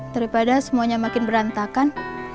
daripada semuanya makin berantakan